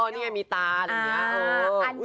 อ๋อนี่มีตาอย่างนี้